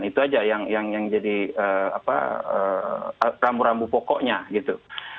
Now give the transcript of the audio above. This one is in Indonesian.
itu aja yang jadi rambu rambu pokoknya gitu